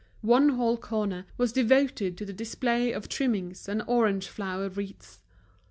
One whole corner was devoted to the display of trimmings and orange flower wreaths.